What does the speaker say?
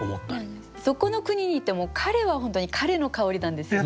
どこの国に行ってもカレーは本当にカレーの香りなんですよ。